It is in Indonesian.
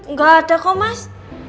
nggak ada kok mas